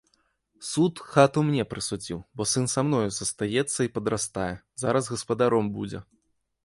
Суд хату мне прысудзіў, бо сын са мною застаецца і падрастае, зараз гаспадаром будзе.